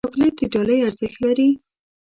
چاکلېټ د ډالۍ ارزښت لري.